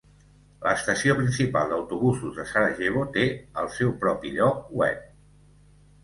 L'estació principal d'autobusos de Sarajevo té el seu propi lloc web.